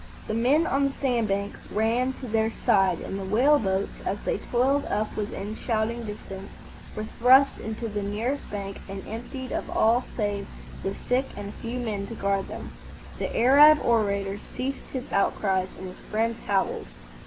The men on the sand bank ran to their side; and the whale boats, as they toiled up within shouting distance, were thrust into the nearest bank and emptied of all save the sick and a few men to guard them. The Arab orator ceased his outcries, and his friends howled.